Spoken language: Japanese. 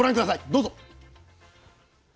どうぞ！